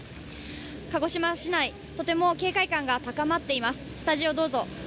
鹿児島市内、とても警戒感が高まっています。